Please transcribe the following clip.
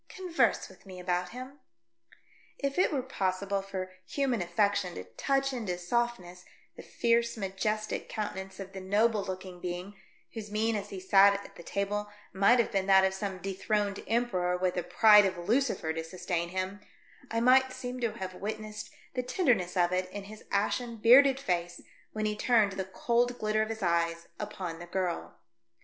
Converse with me about him," If it were possible for human affection to touch into softness the fierce majestic coun tenance of the noble looking being, whose mien as he sate at the table might have been that of some dethroned emperor, with the pride of Lucifer to sustain him, I might seem to have witnessed the tenderness of it in his ashen, bearded face when he turned the cold glitter of his eyes upon the girl.